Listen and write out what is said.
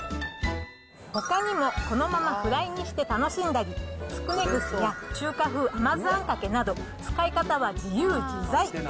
ほかにもこのままフライにして楽しんだり、つくね串や、中華風甘酢あんかけなど、使い方は自由自在。